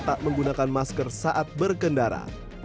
tak menggunakan masker saat berkendara